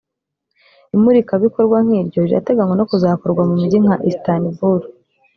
Imurikabikorwa nk’iryo rirateganywa no kuzakorwa mu mijyi nka Istanbul